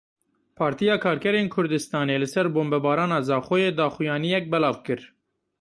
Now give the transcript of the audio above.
Partiya Karkerên Kurdistanê li ser bombebarana Zaxoyê daxuyaniyek belav kir.